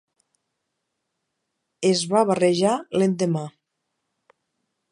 Es va barrejar l'endemà.